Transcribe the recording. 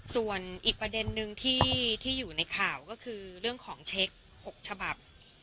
ส่วนอีกประเด็นนึงที่อยู่ในข่าวก็คือเรื่องของเช็ค๖ฉบับ